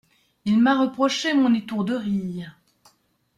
Il m'a reproché mon étourderie.